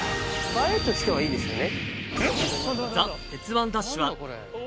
映えとしてはいいですよね。